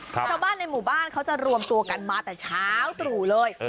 ชาวบ้านในหมู่บ้านเขาจะรวมตัวกันมาแต่เช้าตรู่เลย